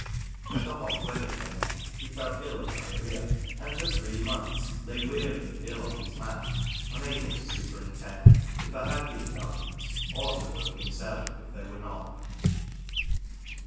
When the hot weather came on, he fell ill of diarrhoea, and for three months lay weary and ill on his mat, unable to superintend, if there had been gardeners, or to work himself, if there were none.